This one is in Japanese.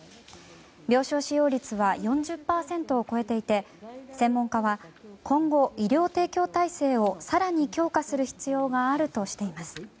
病床使用率は４０％を超えていて専門家は今後、医療提供体制を更に強化する必要があるとしています。